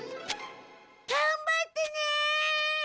がんばってね！